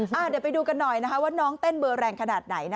เดี๋ยวไปดูกันหน่อยว่าน้องเต้นเบอร์แรงขนาดไหน